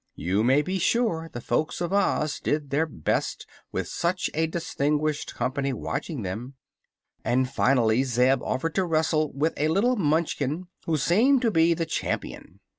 You may be sure the folks of Oz did their best with such a distinguished company watching them, and finally Zeb offered to wrestle with a little Munchkin who seemed to be the champion.